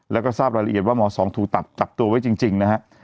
แล้วก็ทราบรายละเอียดว่าหมอ๒ถูกจับตัวไว้จริงนะฮะ